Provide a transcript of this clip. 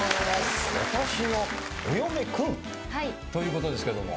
『わたしのお嫁くん』ということですけども。